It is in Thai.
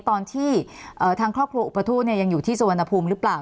ตอนที่ทางครอบครัวอุปทูตยังอยู่ที่สุวรรณภูมิหรือเปล่า